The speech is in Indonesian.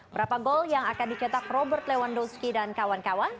berapa gol yang akan dicetak robert lewan dozki dan kawan kawan